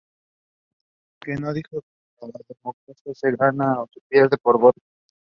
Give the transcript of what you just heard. Que no dijo que la democracia se gana o se pierde por voto.